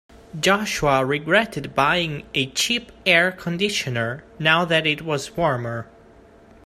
Joshua regretted buying a cheap air conditioner now that it was warmer.